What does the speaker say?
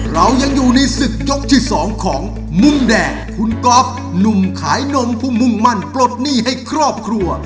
เรายังอยู่ในศึกยกที่๒ของมุมแดงคุณก๊อฟหนุ่มขายนมผู้มุ่งมั่นปลดหนี้ให้ครอบครัว